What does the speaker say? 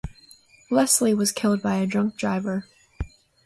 Leslie was killed by a drunk driver.